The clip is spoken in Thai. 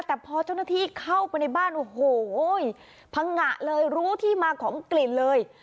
แต่พอเจ้าหน้าที่เข้าไปในบ้านโอ้โหพังงะเลยรู้ที่มาของกลิ่นเลย